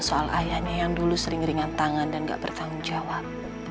soal ayahnya yang dulu sering ringan tangan dan gak bertanggung jawab